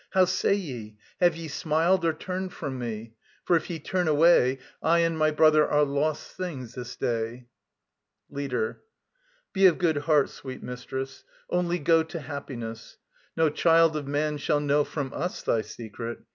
How say ye? Have ye smiled Or turned from me? For if ye turn away, I and my brother are lost things this day. LEADER. Be of good heart, sweet mistress. Only go To happiness. No child of man shall know From us thy secret.